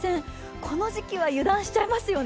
この時期は油断しちゃいますよね。